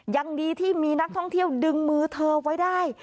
ยังดีที่มีนักท่องเที่ยวดึงมือเธอไว้ได้